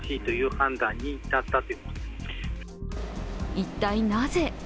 一体なぜ。